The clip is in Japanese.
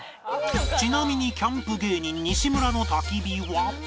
ちなみにキャンプ芸人西村の焚き火は